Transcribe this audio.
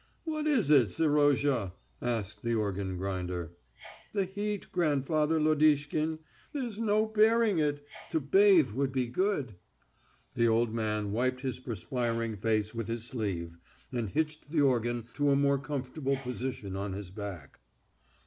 "What is it, Serozha?" asked the organ grinder. "The heat, grandfather Lodishkin ... there's no bearing it! To bathe would be good...." The old man wiped his perspiring face with his sleeve, and hitched the organ to a more comfortable position on his back.